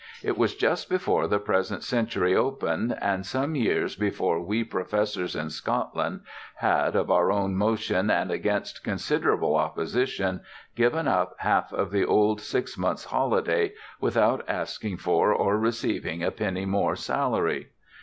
It was just before the present century opened, and some years before we Professors in Scotland had, of our own motion and against considerable opposition, given up half of the old six months' holiday without asking for or receiving a penny more salary.